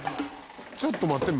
ちょっと待って。